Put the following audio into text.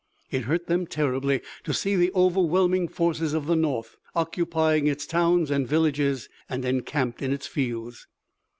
It hurt them terribly to see the overwhelming forces of the North occupying its towns and villages and encamped in its fields.